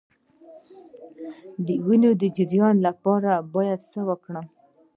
د وینې د جریان لپاره باید څه وکړم؟